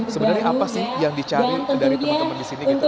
sebenarnya apa sih yang dicari dari teman teman di sini gitu